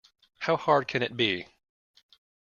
How hard can it be?